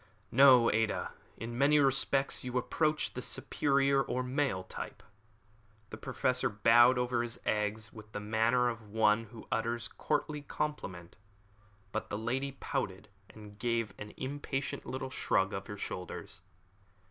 "No, Ada; in many respects you approach the superior or male type." The Professor bowed over his egg with the manner of one who utters a courtly compliment; but the lady pouted, and gave an impatient little shrug of her shoulders.